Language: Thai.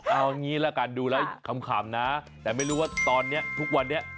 เอางี้ละกันดูแล้วขำนะแต่ไม่รู้ว่าตอนนี้ทุกวันนี้